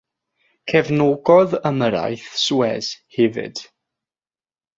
Cefnogodd ymyrraeth Suez hefyd.